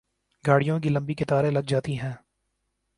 گاڑیوں کی لمبی قطاریں لگ جاتی ہیں۔